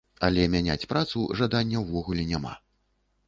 Але мяняць працу жадання ўвогуле няма.